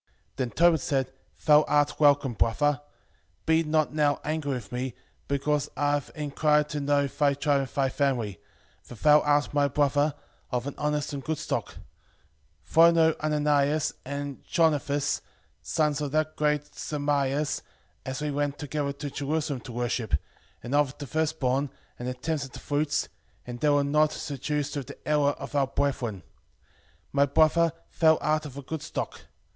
5:13 Then Tobit said, Thou art welcome, brother; be not now angry with me, because I have enquired to know thy tribe and thy family; for thou art my brother, of an honest and good stock: for I know Ananias and Jonathas, sons of that great Samaias, as we went together to Jerusalem to worship, and offered the firstborn, and the tenths of the fruits; and they were not seduced with the error of our brethren: my brother, thou art of a good stock.